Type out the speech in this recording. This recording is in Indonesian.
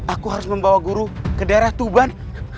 aku harus membawa guru ke daerah tuban